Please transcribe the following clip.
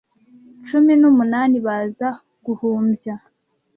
Cumi n'umunani baza guhumbya,